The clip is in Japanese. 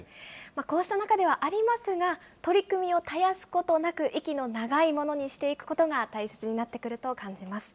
こうした中ではありますが、取り組みを絶やすことなく、息の長いものにしていくことが大切になってくると感じます。